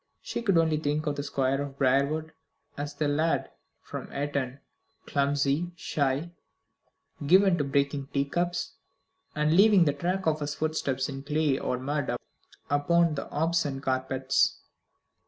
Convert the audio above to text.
She could only think of the Squire of Briarwood as the lad from Eton clumsy, shy, given to breaking teacups, and leaving the track of his footsteps in clay or mud upon the Aubusson carpets.